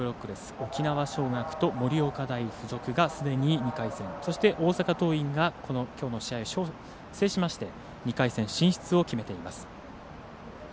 沖縄尚学と盛岡大付属がすでに２回戦、そして大阪桐蔭がきょうの試合を制しまして２回戦進出を決めています。